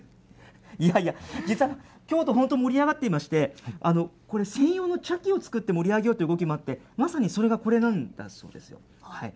いやいや、実は京都、本当に盛り上がってまして、これ、専用の茶器を作って盛り上げようという動きもあって、まさにそれがこれなんだそうですよ。